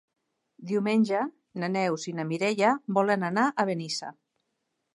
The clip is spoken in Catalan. Diumenge na Neus i na Mireia volen anar a Benissa.